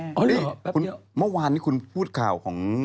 อ๋อเหรอแป๊บเดียวเมื่อวานนี้คุณพูดข่าวของ